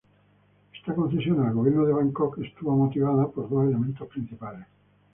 Esta concesión al gobierno de Bangkok estuvo motivada por dos elementos principales.